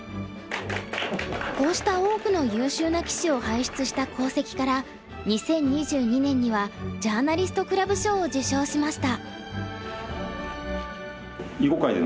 こうした多くの優秀な棋士を輩出した功績から２０２２年にはジャーナリストクラブ賞を受賞しました。